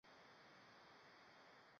达尔布雷人口变化图示